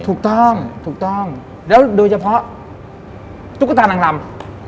ถูกต้องแล้วโดยเฉพาะตุ๊กตานางรำ